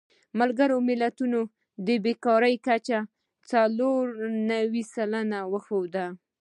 ملګرو ملتونو د بېکارۍ کچه څلور نوي سلنه وښوده.